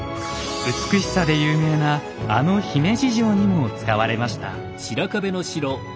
美しさで有名なあの姫路城にも使われました。